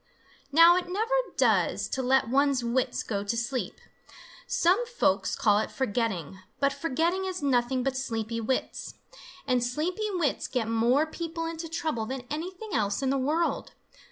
Now it never does to let one's wits go to sleep. Some folks call it forgetting, but forgetting is nothing but sleepy wits. And sleepy wits get more people into trouble than anything else in the world.